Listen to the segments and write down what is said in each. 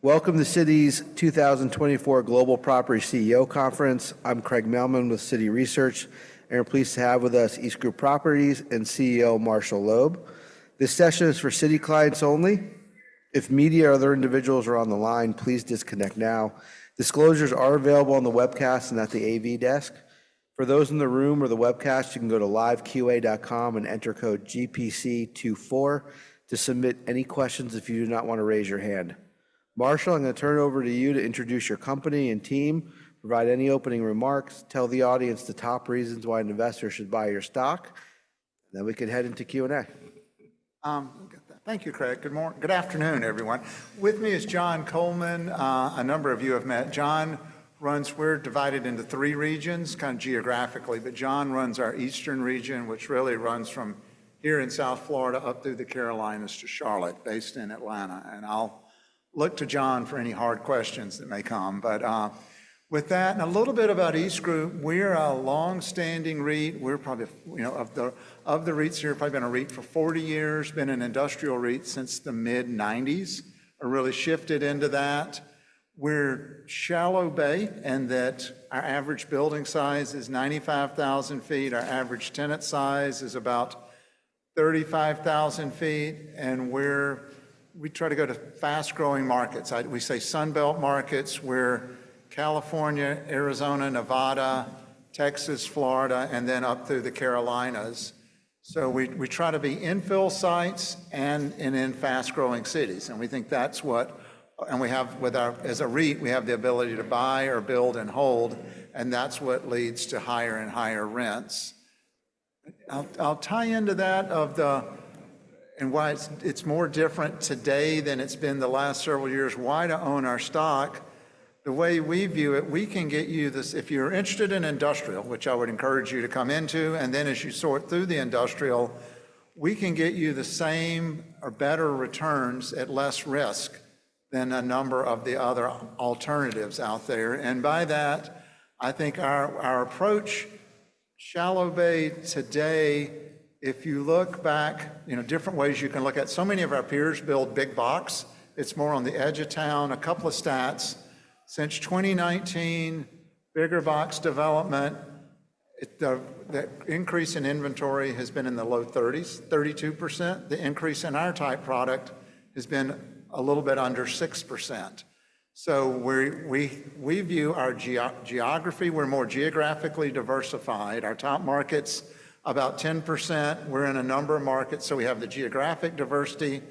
Welcome to Citi's 2024 Global Property CEO Conference. I'm Craig Mailman with Citi Research, and we're pleased to have with us EastGroup Properties and CEO Marshall Loeb. This session is for Citi clients only. If media or other individuals are on the line, please disconnect now. Disclosures are available on the webcast and at the AV desk. For those in the room or the webcast, you can go to LiveQA and enter code GPC24 to submit any questions if you do not want to raise your hand. Marshall, I'm going to turn it over to you to introduce your company and team, provide any opening remarks, tell the audience the top reasons why an investor should buy your stock, and then we can head into Q&A. Thank you, Craig. Good afternoon, everyone. With me is John Coleman, a number of you have met. John runs—we're divided into three regions, kind of geographically—but John runs our Eastern region, which really runs from here in South Florida up through the Carolinas to Charlotte, based in Atlanta. And I'll look to John for any hard questions that may come. But with that, and a little bit about EastGroup, we're a longstanding REIT. We're probably, you know, of the REITs here, probably been a REIT for 40 years, been an industrial REIT since the mid-1990s, really shifted into that. We're Shallow Bay in that our average building size is 95,000 sq ft, our average tenant size is about 35,000 sq ft, and we try to go to fast-growing markets. We say Sunbelt markets. We're California, Arizona, Nevada, Texas, Florida, and then up through the Carolinas. So we try to be infill sites and in fast-growing cities. We think that's what—and we have, with our—as a REIT, we have the ability to buy or build and hold, and that's what leads to higher and higher rents. I'll tie into that of the—and why it's more different today than it's been the last several years—why to own our stock. The way we view it, we can get you this—if you're interested in industrial, which I would encourage you to come into—and then as you sort through the industrial, we can get you the same or better returns at less risk than a number of the other alternatives out there. And by that, I think our approach, Shallow Bay, today, if you look back, you know, different ways you can look at it. So many of our peers build big box. It's more on the edge of town. A couple of stats. Since 2019, bigger box development, the increase in inventory has been in the low 30s, 32%. The increase in our type product has been a little bit under 6%. So we view our geography, we're more geographically diversified. Our top markets, about 10%. We're in a number of markets, so we have the geographic diversity.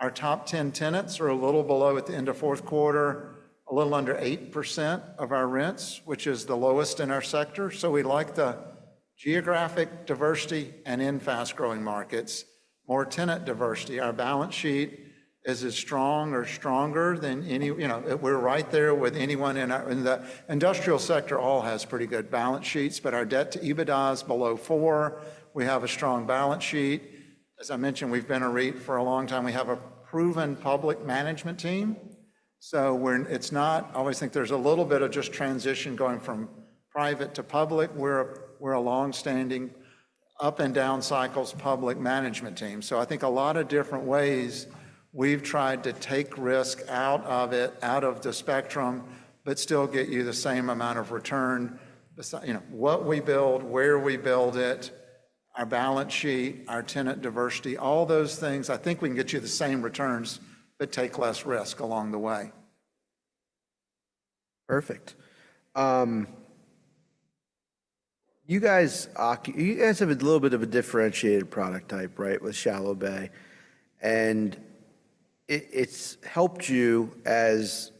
Our top 10 tenants are a little below at the end of fourth quarter, a little under 8% of our rents, which is the lowest in our sector. So we like the geographic diversity and in fast-growing markets, more tenant diversity. Our balance sheet is as strong or stronger than any, you know, we're right there with anyone in our, in the industrial sector, all has pretty good balance sheets, but our debt to EBITDA is below 4. We have a strong balance sheet. As I mentioned, we've been a REIT for a long time. We have a proven public management team. So we're - it's not - I always think there's a little bit of just transition going from private to public. We're a longstanding up-and-down cycles public management team. So I think a lot of different ways we've tried to take risk out of it, out of the spectrum, but still get you the same amount of return. You know, what we build, where we build it, our balance sheet, our tenant diversity, all those things, I think we can get you the same returns but take less risk along the way. Perfect. You guys have a little bit of a differentiated product type, right, with Shallow Bay, and it's helped you as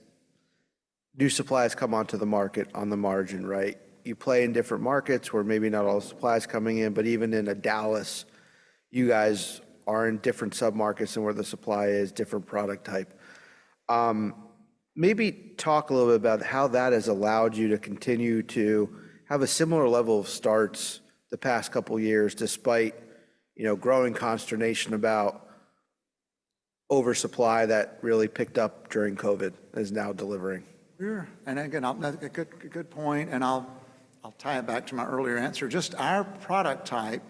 new supplies come onto the market on the margin, right? You play in different markets where maybe not all supply is coming in, but even in Dallas, you guys are in different submarkets than where the supply is, different product type. Maybe talk a little bit about how that has allowed you to continue to have a similar level of starts the past couple of years despite, you know, growing consternation about oversupply that really picked up during COVID is now delivering. Sure. And again, a good point, and I'll tie it back to my earlier answer. Just our product type,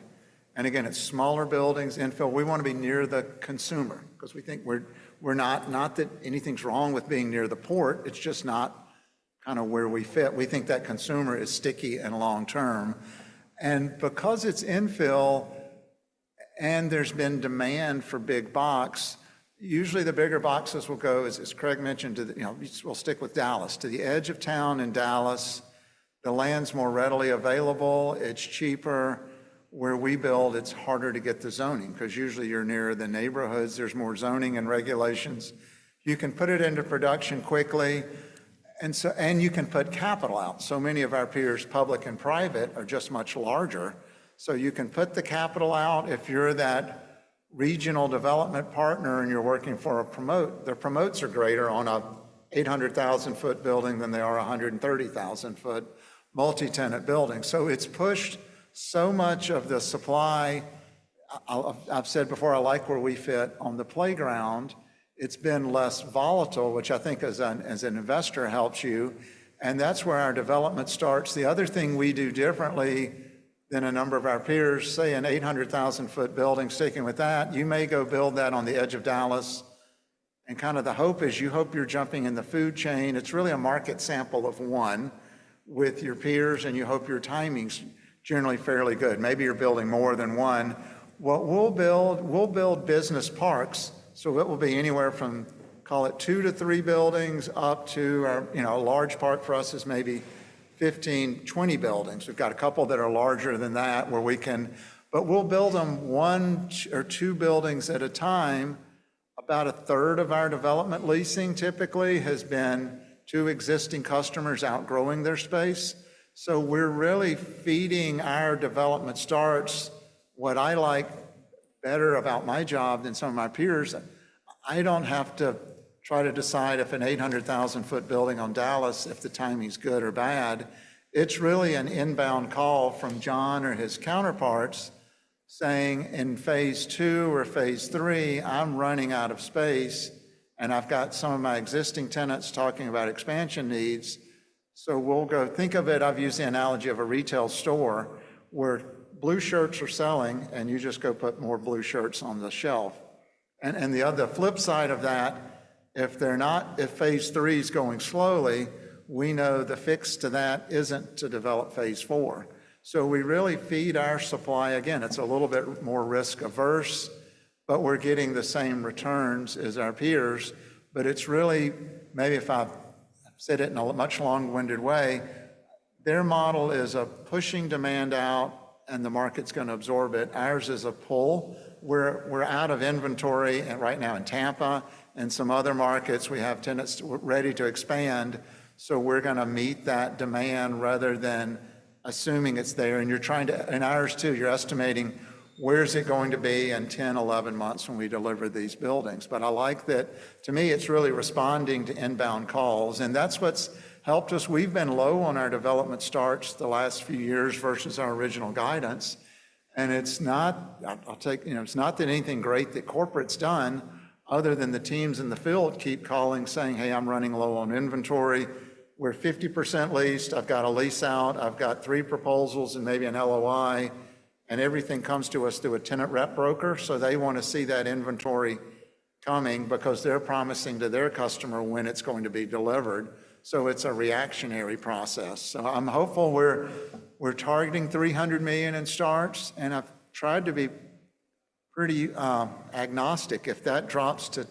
and again, it's smaller buildings, infill. We want to be near the consumer because we think we're not—not that anything's wrong with being near the port, it's just not kind of where we fit. We think that consumer is sticky and long-term. And because it's infill and there's been demand for big box, usually the bigger boxes will go, as Craig mentioned, to the—you know, we'll stick with Dallas, to the edge of town in Dallas. The land's more readily available, it's cheaper. Where we build, it's harder to get the zoning because usually you're nearer the neighborhoods, there's more zoning and regulations. You can put it into production quickly, and you can put capital out. So many of our peers, public and private, are just much larger. So you can put the capital out. If you're that regional development partner and you're working for a promote, their promotes are greater on an 800,000 sq ft building than they are on a 130,000 sq ft multi-tenant building. So it's pushed so much of the supply. I've said before, I like where we fit on the playground. It's been less volatile, which I think as an investor helps you, and that's where our development starts. The other thing we do differently than a number of our peers, say an 800,000-sq-ft building, sticking with that, you may go build that on the edge of Dallas. And kind of the hope is you hope you're jumping in the food chain. It's really a market sample of one with your peers, and you hope your timing's generally fairly good. Maybe you're building more than one. What we'll build, we'll build business parks, so it will be anywhere from, call it, 2-3 buildings up to our, you know, a large part for us is maybe 15-20 buildings. We've got a couple that are larger than that where we can, but we'll build them 1 or 2 buildings at a time. About 1/3 of our development leasing typically has been two existing customers outgrowing their space. So we're really feeding our development starts, what I like better about my job than some of my peers, I don't have to try to decide if an 800,000 sq ft building on Dallas, if the timing's good or bad. It's really an inbound call from John or his counterparts saying, "In phase II or phase III, I'm running out of space, and I've got some of my existing tenants talking about expansion needs." So we'll go think of it, I've used the analogy of a retail store where blue shirts are selling, and you just go put more blue shirts on the shelf. And the flip side of that, if they're not, if phase three's going slowly, we know the fix to that isn't to develop phase four. So we really feed our supply. Again, it's a little bit more risk-averse, but we're getting the same returns as our peers. But it's really, maybe if I said it in a much long-winded way, their model is a pushing demand out, and the market's going to absorb it. Ours is a pull. We're out of inventory right now in Tampa and some other markets. We have tenants ready to expand, so we're going to meet that demand rather than assuming it's there. You're trying to, in ours too, you're estimating, "Where's it going to be in 10, 11 months when we deliver these buildings?" But I like that to me, it's really responding to inbound calls, and that's what's helped us. We've been low on our development starts the last few years versus our original guidance, and it's not, I'll take, you know, it's not that anything great that corporate's done other than the teams in the field keep calling saying, "Hey, I'm running low on inventory. We're 50% leased. I've got a lease out. I've got three proposals and maybe an LOI," and everything comes to us through a tenant rep broker. So they want to see that inventory coming because they're promising to their customer when it's going to be delivered. It's a reactionary process. I'm hopeful we're targeting 300 million in starts, and I've tried to be pretty agnostic. If that drops to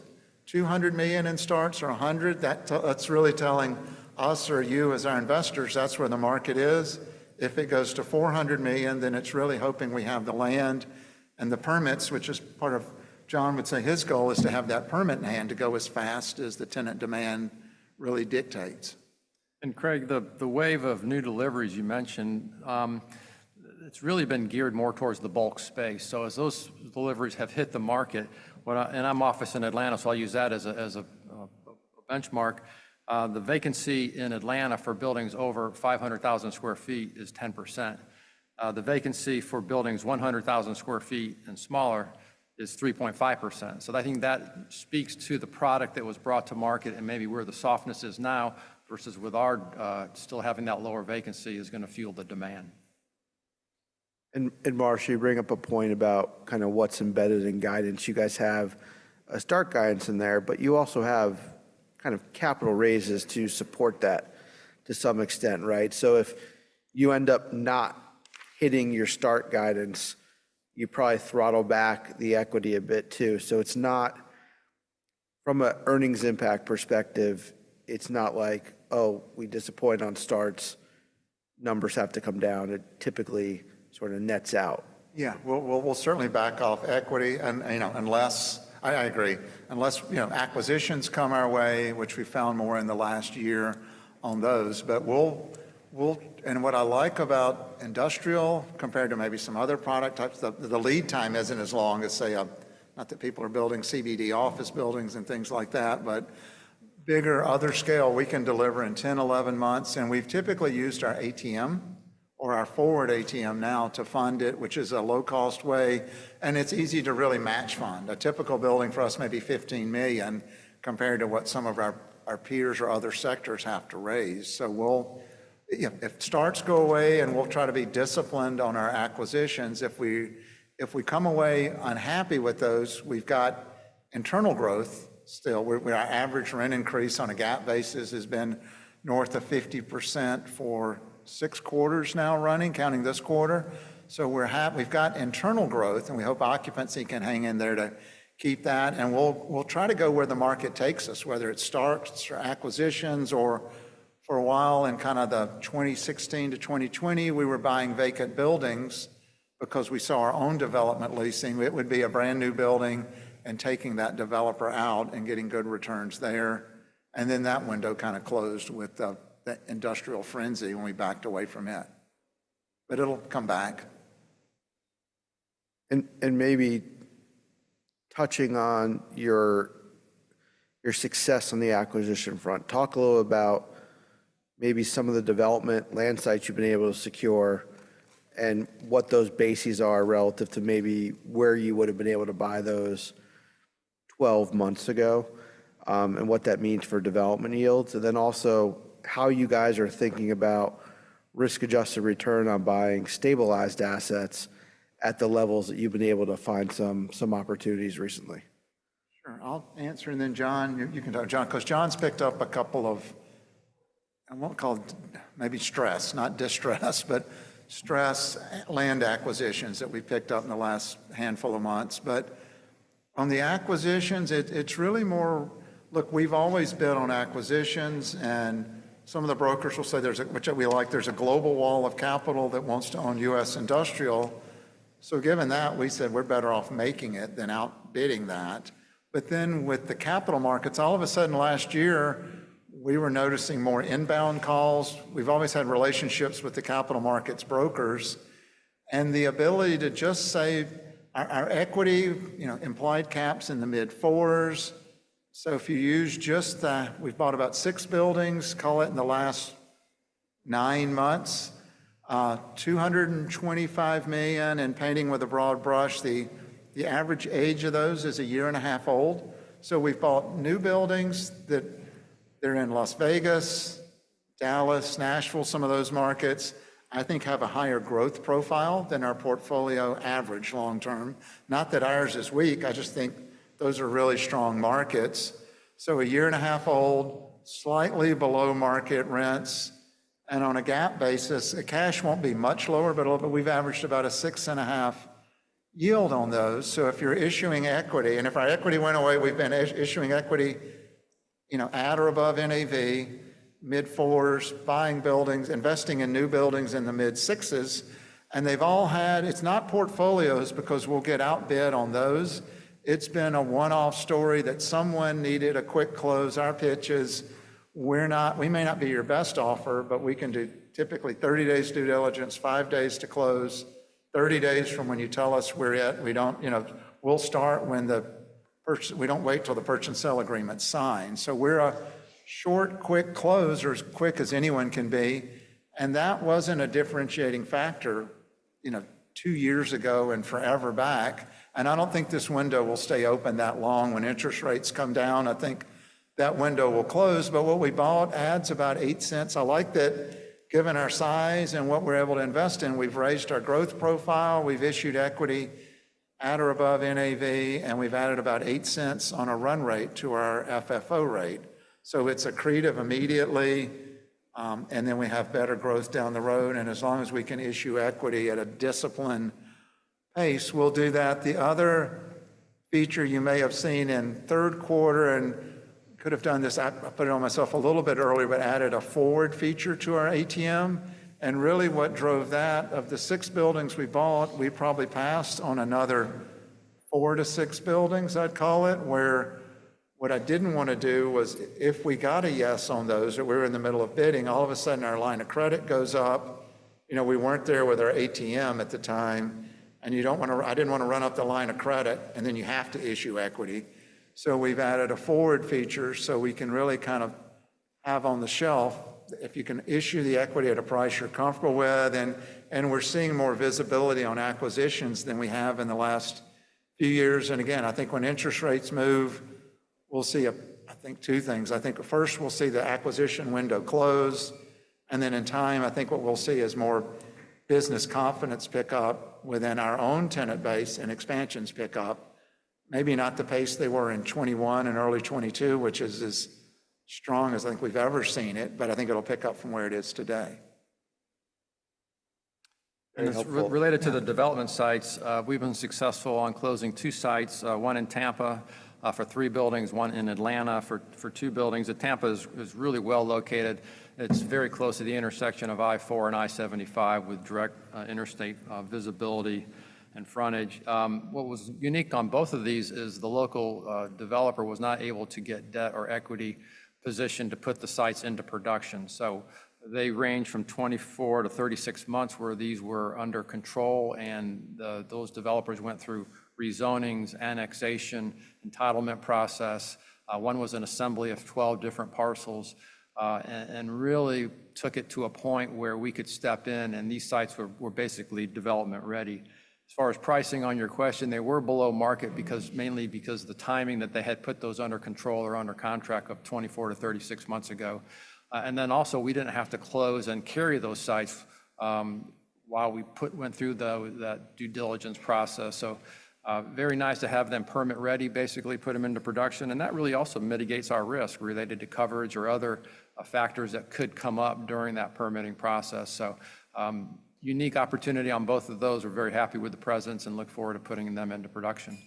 200 million in starts or 100, that's really telling us or you as our investors, that's where the market is. If it goes to 400 million, then it's really hoping we have the land and the permits, which is part of, John would say his goal is to have that permit in hand to go as fast as the tenant demand really dictates. Craig, the wave of new deliveries you mentioned, it's really been geared more towards the bulk space. As those deliveries have hit the market, and my office in Atlanta, so I'll use that as a benchmark. The vacancy in Atlanta for buildings over 500,000 sq ft is 10%. The vacancy for buildings 100,000 sq ft and smaller is 3.5%. I think that speaks to the product that was brought to market and maybe where the softness is now versus with our still having that lower vacancy is going to fuel the demand. Marsh, you bring up a point about kind of what's embedded in guidance. You guys have a start guidance in there, but you also have kind of capital raises to support that to some extent, right? If you end up not hitting your start guidance, you probably throttle back the equity a bit too. It's not from an earnings impact perspective, it's not like, "Oh, we disappoint on starts. Numbers have to come down." It typically sort of nets out. Yeah. We'll certainly back off equity and, you know, unless—I agree—unless, you know, acquisitions come our way, which we found more in the last year on those. But we'll—and what I like about industrial compared to maybe some other product types, the lead time isn't as long as, say, not that people are building CBD office buildings and things like that, but bigger other scale, we can deliver in 10-11 months. And we've typically used our ATM or our forward ATM now to fund it, which is a low-cost way, and it's easy to really match fund. A typical building for us may be $15 million compared to what some of our peers or other sectors have to raise. So we'll—if starts go away, and we'll try to be disciplined on our acquisitions. If we come away unhappy with those, we've got internal growth still. Our average rent increase on a GAAP basis has been north of 50% for 6 quarters now running, counting this quarter. So we've got internal growth, and we hope occupancy can hang in there to keep that. And we'll try to go where the market takes us, whether it starts for acquisitions or for a while in kind of the 2016-2020, we were buying vacant buildings because we saw our own development leasing. It would be a brand new building and taking that developer out and getting good returns there. And then that window kind of closed with the industrial frenzy when we backed away from it. But it'll come back. Maybe touching on your success on the acquisition front, talk a little about maybe some of the development land sites you've been able to secure and what those basis are relative to maybe where you would have been able to buy those 12 months ago and what that means for development yields. Then also how you guys are thinking about risk-adjusted return on buying stabilized assets at the levels that you've been able to find some opportunities recently. Sure. I'll answer, and then John, you can talk. John, because John's picked up a couple of, I won't call it maybe stress, not distress, but stress land acquisitions that we picked up in the last handful of months. But on the acquisitions, it's really more. Look, we've always bid on acquisitions, and some of the brokers will say there's a, which we like, there's a global wall of capital that wants to own U.S. industrial. So given that, we said we're better off making it than outbidding that. But then with the capital markets, all of a sudden last year, we were noticing more inbound calls. We've always had relationships with the capital markets brokers and the ability to just say our equity, you know, implied caps in the mid-fours. So if you use just the, we've bought about 6 buildings, call it in the last 9 months, $225 million, and painting with a broad brush, the average age of those is a year and a half old. So we've bought new buildings that they're in Las Vegas, Dallas, Nashville, some of those markets, I think have a higher growth profile than our portfolio average long-term. Not that ours is weak, I just think those are really strong markets. So a year and a half old, slightly below market rents, and on a GAAP basis, the cash won't be much lower, but we've averaged about a 6.5 yield on those. So if you're issuing equity, and if our equity went away, we've been issuing equity, you know, at or above NAV, mid-fours, buying buildings, investing in new buildings in the mid-sixes, and they've all had. It's not portfolios because we'll get outbid on those. It's been a one-off story that someone needed a quick close. Our pitch is we're not, we may not be your best offer, but we can do typically 30 days due diligence, 5 days to close, 30 days from when you tell us we're at. We don't, you know, we'll start when the person, we don't wait till the purchase and sale agreement's signed. So we're a short, quick close, or as quick as anyone can be. And that wasn't a differentiating factor, you know, 2 years ago and forever back. I don't think this window will stay open that long when interest rates come down. I think that window will close. But what we bought adds about $0.08. I like that given our size and what we're able to invest in, we've raised our growth profile, we've issued equity at or above NAV, and we've added about $0.08 on a run rate to our FFO rate. So it's accretive immediately, and then we have better growth down the road. And as long as we can issue equity at a disciplined pace, we'll do that. The other feature you may have seen in third quarter and could have done this, I put it on myself a little bit earlier, but added a forward feature to our ATM. And really what drove that, of the 6 buildings we bought, we probably passed on another 4-6 buildings, I'd call it, where what I didn't want to do was if we got a yes on those or we were in the middle of bidding, all of a sudden our line of credit goes up. You know, we weren't there with our ATM at the time, and you don't want to, I didn't want to run up the line of credit, and then you have to issue equity. So we've added a forward feature so we can really kind of have on the shelf, if you can issue the equity at a price you're comfortable with, and we're seeing more visibility on acquisitions than we have in the last few years. And again, I think when interest rates move, we'll see a, I think, two things. I think first we'll see the acquisition window close, and then in time, I think what we'll see is more business confidence pick up within our own tenant base and expansions pick up. Maybe not the pace they were in 2021 and early 2022, which is as strong as I think we've ever seen it, but I think it'll pick up from where it is today. Related to the development sites, we've been successful on closing two sites, one in Tampa for three buildings, one in Atlanta for two buildings. That Tampa is really well located. It's very close to the intersection of I-4 and I-75 with direct interstate visibility and frontage. What was unique on both of these is the local developer was not able to get debt or equity positioned to put the sites into production. So they range from 24-36 months where these were under control, and those developers went through rezonings, annexation, entitlement process. One was an assembly of 12 different parcels and really took it to a point where we could step in, and these sites were basically development ready. As far as pricing on your question, they were below market mainly because of the timing that they had put those under control or under contract 24-36 months ago. Then also we didn't have to close and carry those sites while we went through that due diligence process. So very nice to have them permit ready, basically put them into production, and that really also mitigates our risk related to coverage or other factors that could come up during that permitting process. So unique opportunity on both of those. We're very happy with the presence and look forward to putting them into production.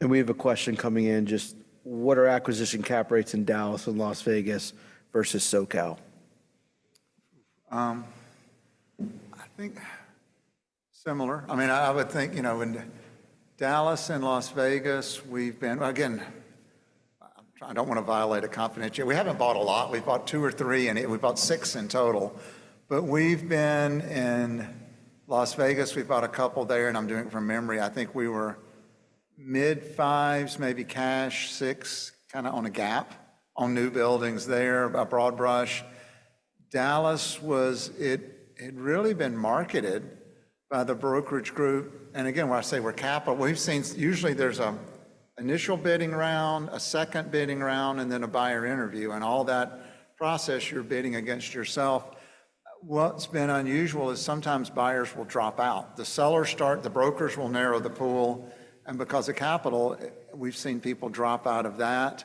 We have a question coming in. Just what are acquisition cap rates in Dallas and Las Vegas versus SoCal? I think similar. I mean, I would think, you know, in Dallas and Las Vegas, we've been, again, I don't want to violate a confidentiality. We haven't bought a lot. We've bought 2 or 3, and we've bought 6 in total. But we've been in Las Vegas, we've bought a couple there, and I'm doing it from memory. I think we were mid-fives, maybe cash six, kind of on a GAAP on new buildings there, a broad brush. Dallas was, it had really been marketed by the brokerage group. And again, when I say we're capital, we've seen usually there's an initial bidding round, a second bidding round, and then a buyer interview. In all that process, you're bidding against yourself. What's been unusual is sometimes buyers will drop out. The sellers start, the brokers will narrow the pool, and because of capital, we've seen people drop out of that.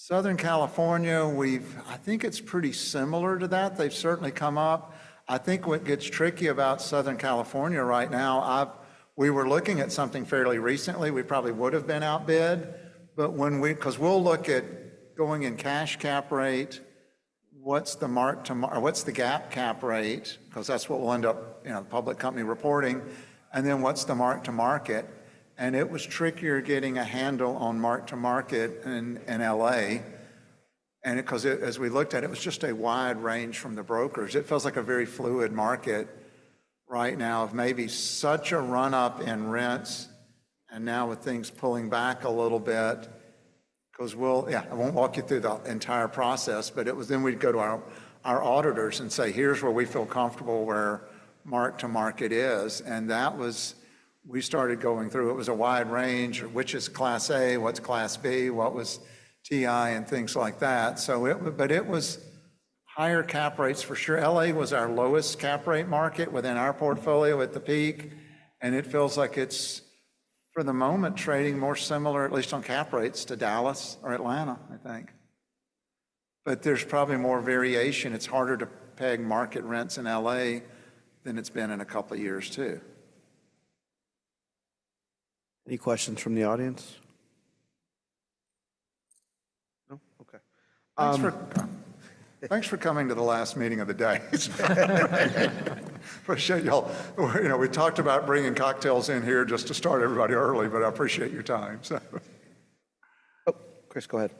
Southern California, we've, I think it's pretty similar to that. They've certainly come up. I think what gets tricky about Southern California right now, we were looking at something fairly recently. We probably would have been outbid, but when we, because we'll look at going in cash cap rate, what's the mark to, what's the gap cap rate, because that's what we'll end up, you know, the public company reporting, and then what's the mark to market. And it was trickier getting a handle on mark to market in LA, and because as we looked at it, it was just a wide range from the brokers. It feels like a very fluid market right now of maybe such a run-up in rents and now with things pulling back a little bit because we'll, yeah, I won't walk you through the entire process, but it was then we'd go to our auditors and say, "Here's where we feel comfortable, where mark to market is." And that was, we started going through, it was a wide range, which is Class A, what's Class B, what was TI and things like that. So it, but it was higher cap rates for sure. L.A. was our lowest cap rate market within our portfolio at the peak, and it feels like it's for the moment trading more similar, at least on cap rates, to Dallas or Atlanta, I think. But there's probably more variation. It's harder to peg market rents in L.A. than it's been in a couple of years too. Any questions from the audience? No? Okay. Thanks for coming to the last meeting of the day. For sure, y'all, you know, we talked about bringing cocktails in here just to start everybody early, but I appreciate your time, so. Oh, Chris, go ahead.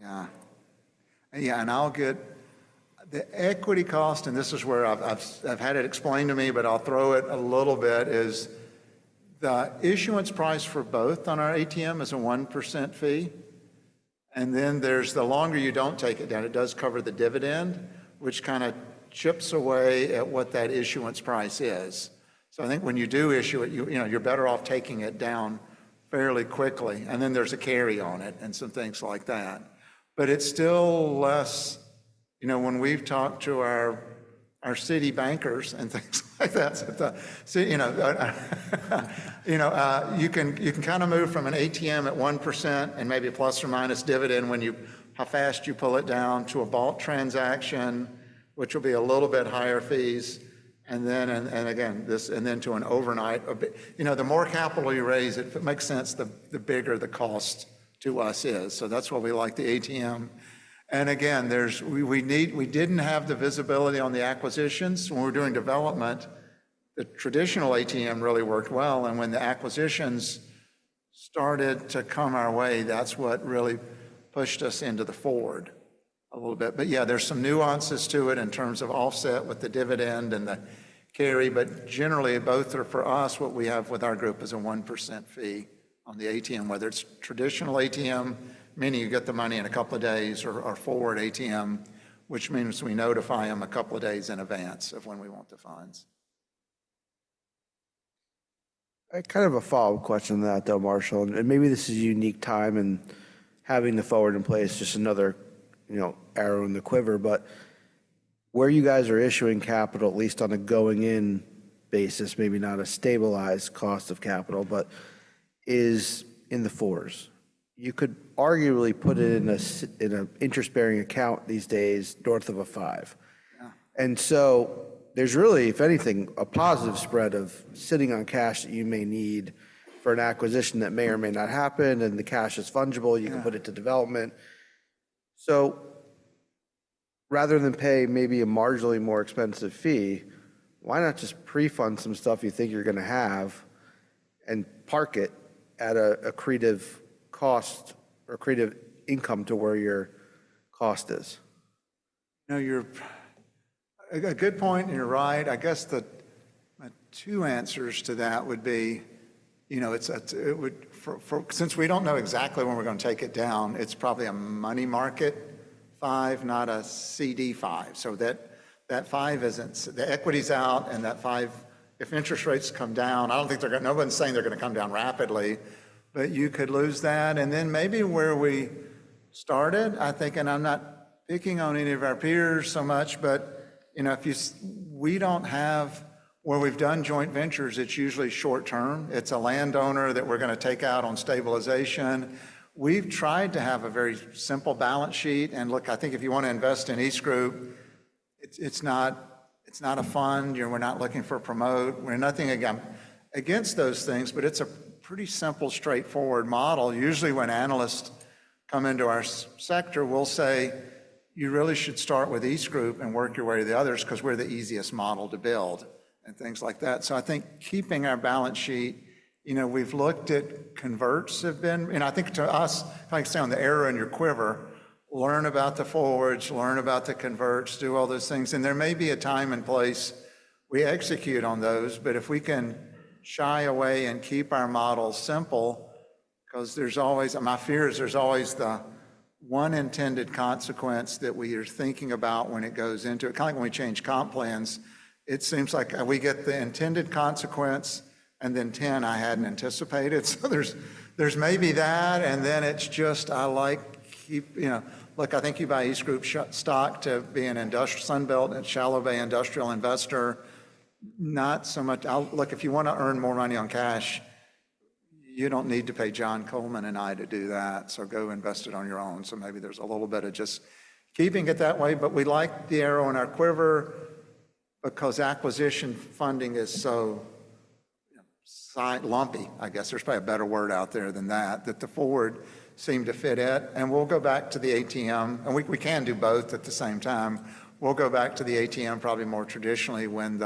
You talk about costs of doing the forward versus the compensation that's kind of pretty much like if there's a cost. Yeah. Yeah, and I'll get the equity cost, and this is where I've had it explained to me, but I'll throw it a little bit, is the issuance price for both on our ATM is a 1% fee. And then there's the longer you don't take it down, it does cover the dividend, which kind of chips away at what that issuance price is. So I think when you do issue it, you know, you're better off taking it down fairly quickly, and then there's a carry on it and some things like that. But it's still less, you know, when we've talked to our Citi bankers and things like that, you know, you can kind of move from an ATM at 1% and maybe a plus or minus dividend when you, how fast you pull it down to a bulk transaction, which will be a little bit higher fees. And again, to an overnight, you know, the more capital you raise, if it makes sense, the bigger the cost to us is. So that's why we like the ATM. And again, we didn't have the visibility on the acquisitions. When we're doing development, the traditional ATM really worked well, and when the acquisitions started to come our way, that's what really pushed us into the forward a little bit. But yeah, there's some nuances to it in terms of offset with the dividend and the carry, but generally both are for us. What we have with our group is a 1% fee on the ATM, whether it's traditional ATM, meaning you get the money in a couple of days, or forward ATM, which means we notify them a couple of days in advance of when we want the funds. Kind of a follow-up question on that though, Marshall, and maybe this is a unique time and having the forward in place, just another, you know, arrow in the quiver. But where you guys are issuing capital, at least on a going-in basis, maybe not a stabilized cost of capital, but is in the fours. You could arguably put it in an interest-bearing account these days north of a five. And so there's really, if anything, a positive spread of sitting on cash that you may need for an acquisition that may or may not happen, and the cash is fungible, you can put it to development. So rather than pay maybe a marginally more expensive fee, why not just pre-fund some stuff you think you're going to have and park it at an accretive cost or accretive income to where your cost is? You know, you're a good point and you're right. I guess the two answers to that would be, you know, it's, it would, since we don't know exactly when we're going to take it down, it's probably a money market 5, not a CD 5. So that 5 isn't, the equity's out, and that 5, if interest rates come down, I don't think they're going to, nobody's saying they're going to come down rapidly, but you could lose that. And then maybe where we started, I think, and I'm not picking on any of our peers so much, but you know, if you, we don't have, where we've done joint ventures, it's usually short-term. It's a landowner that we're going to take out on stabilization. We've tried to have a very simple balance sheet. Look, I think if you want to invest in EastGroup, it's not a fund, you know, we're not looking for a promote. We're nothing against those things, but it's a pretty simple, straightforward model. Usually when analysts come into our sector, we'll say you really should start with EastGroup and work your way to the others because we're the easiest model to build and things like that. So I think keeping our balance sheet, you know, we've looked at converts have been, and I think to us, if I can say on the arrow in your quiver, learn about the forwards, learn about the converts, do all those things. And there may be a time and place we execute on those, but if we can shy away and keep our model simple because there's always, my fear is there's always the one intended consequence that we are thinking about when it goes into it. Kind of like when we change comp plans, it seems like we get the intended consequence and then 10, I hadn't anticipated. So there's maybe that, and then it's just I like keep, you know, look, I think you buy EastGroup stock to be an industrial Sunbelt and Shallow Bay industrial investor. Not so much, look, if you want to earn more money on cash, you don't need to pay John Coleman and I to do that, so go invest it on your own. Maybe there's a little bit of just keeping it that way, but we like the arrow in our quiver because acquisition funding is so, you know, lumpy, I guess. There's probably a better word out there than that, that the forward seemed to fit it. We'll go back to the ATM, and we can do both at the same time. We'll go back to the ATM probably more traditionally when,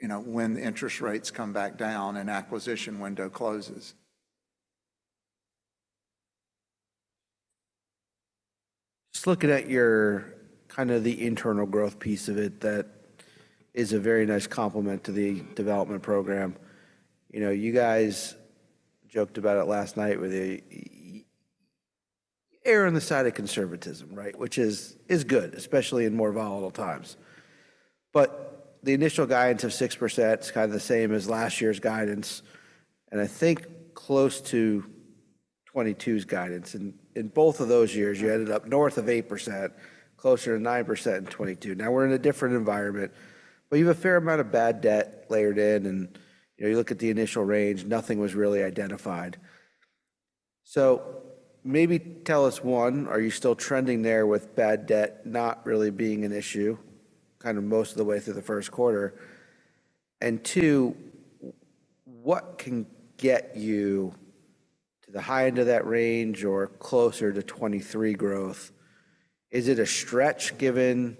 you know, when the interest rates come back down and acquisition window closes. Just looking at your kind of the internal growth piece of it that is a very nice complement to the development program, you know, you guys joked about it last night with the err on the side of conservatism, right, which is good, especially in more volatile times. But the initial guidance of 6% is kind of the same as last year's guidance, and I think close to 2022's guidance. In both of those years, you ended up north of 8%, closer to 9% in 2022. Now we're in a different environment, but you have a fair amount of bad debt layered in, and you know, you look at the initial range, nothing was really identified. So maybe tell us one, are you still trending there with bad debt not really being an issue kind of most of the way through the first quarter? And two, what can get you to the high end of that range or closer to 2023 growth? Is it a stretch given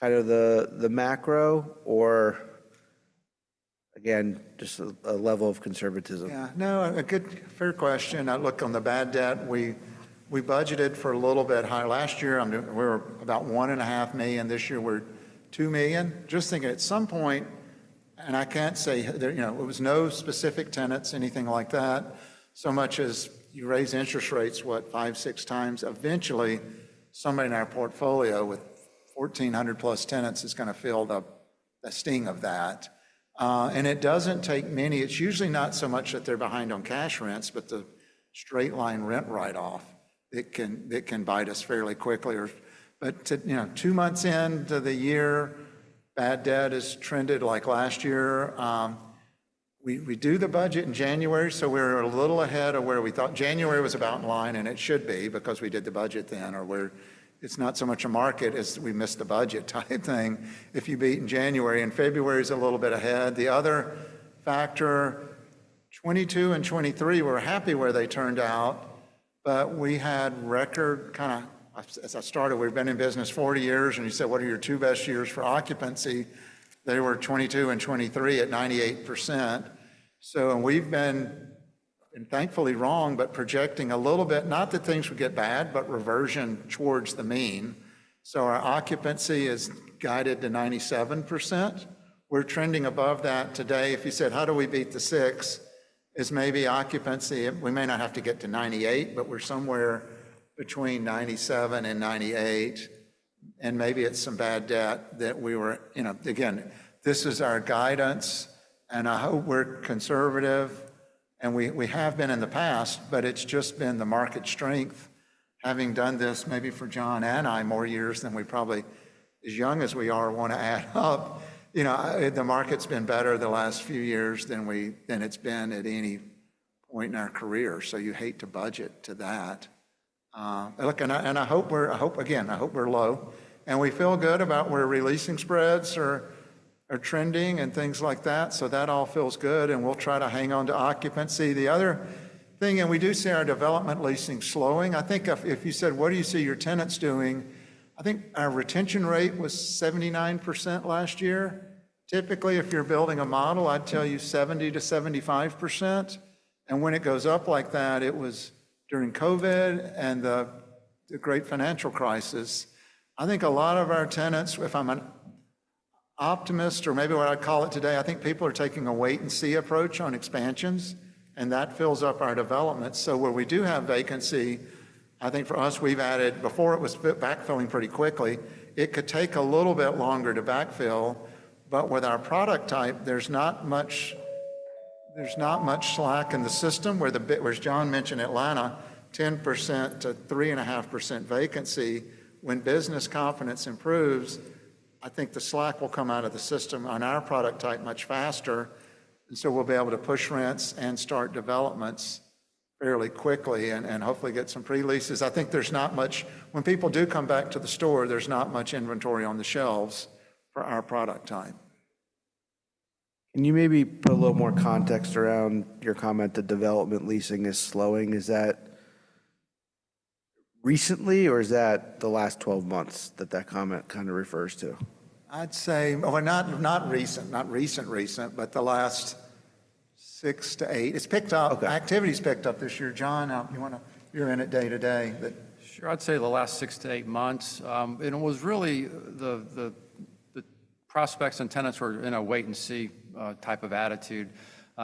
kind of the macro or again, just a level of conservatism? Yeah, no, a good, fair question. I look on the bad debt, we budgeted for a little bit higher last year. We were about $1.5 million. This year we're $2 million. Just thinking at some point, and I can't say, you know, it was no specific tenants, anything like that, so much as you raise interest rates, what, 5, 6 times, eventually somebody in our portfolio with 1,400+ tenants is going to feel the sting of that. And it doesn't take many, it's usually not so much that they're behind on cash rents, but the straight-line rent write-off that can bite us fairly quickly. But to, you know, 2 months into the year, bad debt has trended like last year. We do the budget in January, so we're a little ahead of where we thought. January was about in line and it should be because we did the budget then, or where it's not so much a market as we missed the budget type thing. If you beat in January, and February's a little bit ahead. The other factor, 2022 and 2023, we're happy where they turned out, but we had record kind of, as I started, we've been in business 40 years, and you said, what are your two best years for occupancy? They were 2022 and 2023 at 98%. So, and we've been, and thankfully wrong, but projecting a little bit, not that things would get bad, but reversion towards the mean. So our occupancy is guided to 97%. We're trending above that today. If you said, how do we beat the six? It's maybe occupancy. We may not have to get to 98%, but we're somewhere between 97% and 98%, and maybe it's some bad debt that we were, you know, again, this is our guidance, and I hope we're conservative, and we have been in the past, but it's just been the market strength. Having done this maybe for John and I more years than we probably, as young as we are, want to add up, you know, the market's been better the last few years than we, than it's been at any point in our career. So you hate to budget to that. Look, and I hope we're, I hope again, I hope we're low, and we feel good about where re-leasing spreads are trending and things like that. So that all feels good, and we'll try to hang on to occupancy. The other thing, we do see our development leasing slowing. I think if you said, what do you see your tenants doing? I think our retention rate was 79% last year. Typically, if you're building a model, I'd tell you 70%-75%. When it goes up like that, it was during COVID and the Great Financial Crisis. I think a lot of our tenants, if I'm an optimist or maybe what I'd call it today, I think people are taking a wait-and-see approach on expansions, and that fills up our developments. So where we do have vacancy, I think for us, we've added; before it was backfilling pretty quickly, it could take a little bit longer to backfill, but with our product type, there's not much, there's not much slack in the system, whereas John mentioned Atlanta, 10%-3.5% vacancy. When business confidence improves, I think the slack will come out of the system on our product type much faster. And so we'll be able to push rents and start developments fairly quickly and hopefully get some pre-leases. I think there's not much, when people do come back to the store, there's not much inventory on the shelves for our product type. Can you maybe put a little more context around your comment that development leasing is slowing? Is that recently or is that the last 12 months that that comment kind of refers to? I'd say, well, not recent, but the last 6-8. It's picked up, activity's picked up this year. John, you want to, you're in it day to day, but. Sure, I'd say the last 6-8 months, and it was really the prospects and tenants were in a wait-and-see type of attitude.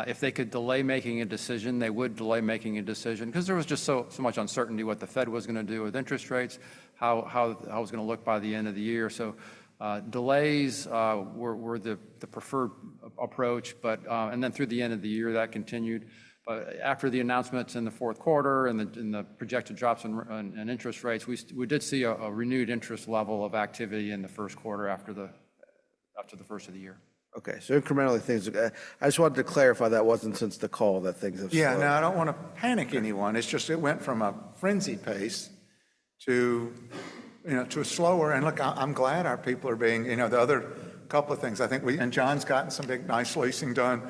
If they could delay making a decision, they would delay making a decision because there was just so much uncertainty what the Fed was going to do with interest rates, how it was going to look by the end of the year. So delays were the preferred approach, but, and then through the end of the year that continued. But after the announcements in the fourth quarter and the projected drops in interest rates, we did see a renewed interest level of activity in the first quarter after the first of the year. Okay, so incrementally things, I just wanted to clarify that wasn't since the call that things have slowed. Yeah, no, I don't want to panic anyone. It's just it went from a frenzy pace to, you know, to a slower. And look, I'm glad our people are being, you know, the other couple of things. I think we, and John's gotten some big nice leasing done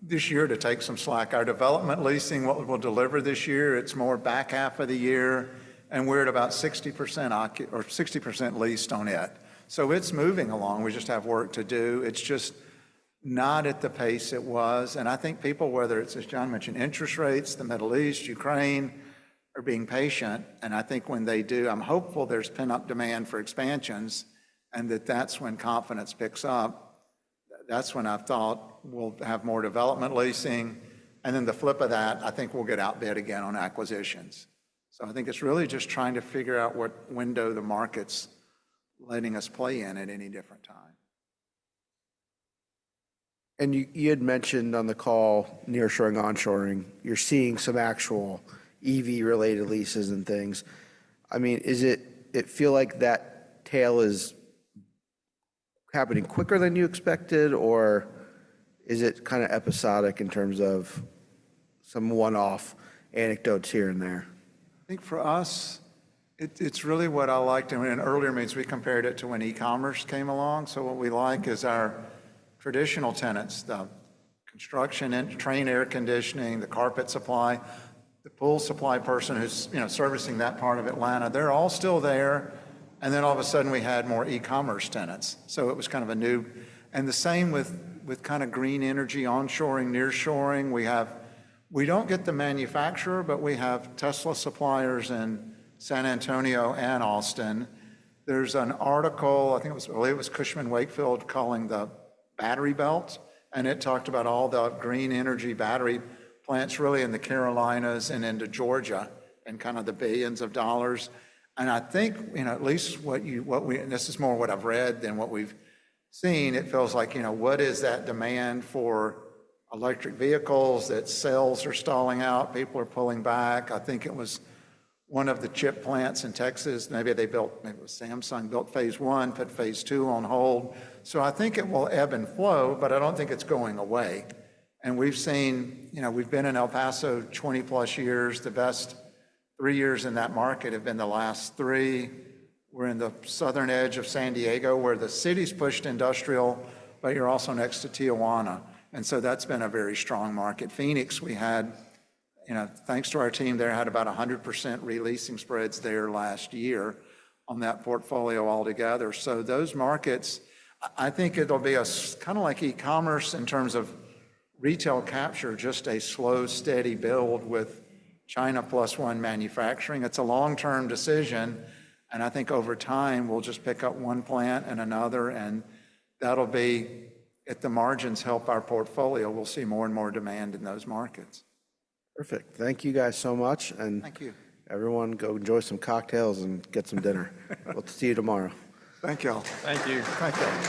this year to take some slack. Our development leasing, what we'll deliver this year, it's more back half of the year, and we're at about 60% or 60% leased on it. So it's moving along. We just have work to do. It's just not at the pace it was. And I think people, whether it's, as John mentioned, interest rates, the Middle East, Ukraine, are being patient. And I think when they do, I'm hopeful there's pent-up demand for expansions and that that's when confidence picks up. That's when I've thought we'll have more development leasing. Then the flip of that, I think we'll get outbid again on acquisitions. I think it's really just trying to figure out what window the market's letting us play in at any different time. You had mentioned on the call nearshoring, onshoring, you're seeing some actual EV-related leases and things. I mean, is it, it feel like that tail is happening quicker than you expected or is it kind of episodic in terms of some one-off anecdotes here and there? I think for us, it's really what I liked, and earlier means we compared it to when e-commerce came along. So what we like is our traditional tenants, the construction, train, air conditioning, the carpet supply, the pool supply person who's, you know, servicing that part of Atlanta, they're all still there. And then all of a sudden we had more e-commerce tenants. So it was kind of a new, and the same with kind of green energy, onshoring, nearshoring. We have, we don't get the manufacturer, but we have Tesla suppliers in San Antonio and Austin. There's an article, I think it was, it was Cushman & Wakefield calling the Battery Belt, and it talked about all the green energy battery plants really in the Carolinas and into Georgia and kind of the billions of dollars. I think, you know, at least what you, what we, and this is more what I've read than what we've seen, it feels like, you know, what is that demand for electric vehicles that sales are stalling out, people are pulling back. I think it was one of the chip plants in Texas. Maybe they built, maybe it was Samsung built phase I, put phase II on hold. So I think it will ebb and flow, but I don't think it's going away. And we've seen, you know, we've been in El Paso 20+ years. The best three years in that market have been the last three. We're in the southern edge of San Diego where the city's pushed industrial, but you're also next to Tijuana. And so that's been a very strong market. Phoenix, we had, you know, thanks to our team there, had about 100% releasing spreads there last year on that portfolio altogether. So those markets, I think it'll be a kind of like e-commerce in terms of retail capture, just a slow, steady build with China plus one manufacturing. It's a long-term decision, and I think over time we'll just pick up one plant and another, and that'll be at the margins, help our portfolio. We'll see more and more demand in those markets. Perfect. Thank you guys so much. Thank you. Everyone go enjoy some cocktails and get some dinner. We'll see you tomorrow. Thank y'all. Thank you. Thank you.